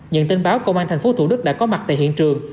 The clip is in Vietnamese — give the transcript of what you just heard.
nhận tin báo công an tp thủ đức đã có mặt tại hiện trường